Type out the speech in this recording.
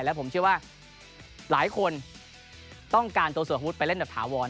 และผมเชื่อว่าหลายคนต้องการตัวส่วนฮุตไปเล่นกับถาวร